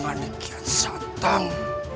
kau akan menang